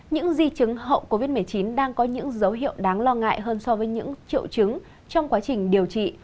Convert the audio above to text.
những di chứng hậu covid một mươi chín đang có những dấu hiệu đáng lo ngại hơn so với những triệu chứng trong quá trình điều trị